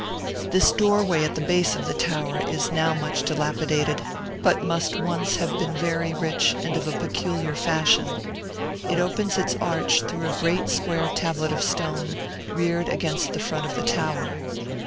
This doorway at the base of the tower is now much dilapidated, but must once have been very rich and of a peculiar fashion. It opens its arch through a great square tablet of stone, reared against the front of the tower.